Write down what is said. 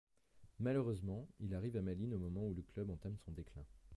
Malheureusement, il arrive à Malines au moment où le club entame son déclin.